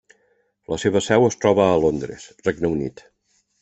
La seva seu es troba a Londres, Regne Unit.